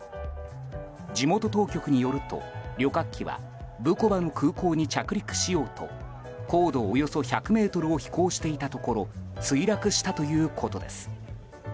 地元当局によると旅客機はブコバの空港に着陸しようと高度およそ１００ｍを飛行していたところ墜落したということです。